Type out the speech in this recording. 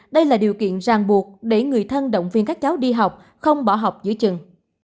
đây là điều kiện ràng buộc để người thân động viên các cháu đi học không bỏ học giữa trường